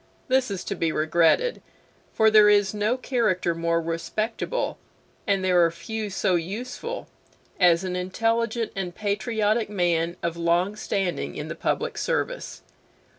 This is to be regretted, for there is no character more respectable, and there are few so useful, as an intelligent and patriotic man of long standing in the public service.